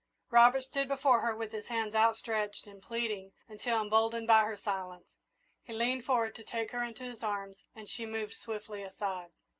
Robert stood before her with his hands outstretched in pleading until, emboldened by her silence, he leaned forward to take her into his arms, and she moved swiftly aside.